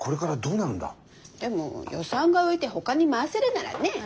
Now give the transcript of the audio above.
でも予算が浮いてほかに回せるならねえ。